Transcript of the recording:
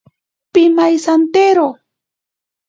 Pimaisantero.